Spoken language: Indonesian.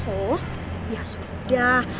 oh ya sudah